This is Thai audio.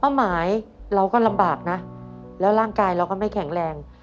หมายเราก็ลำบากนะแล้วร่างกายเราก็ไม่แข็งแรง